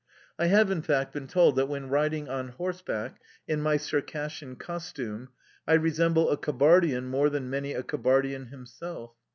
I have, in fact, been told that when riding on horseback, in my Circassian costume, I resemble a Kabardian more than many a Kabardian himself.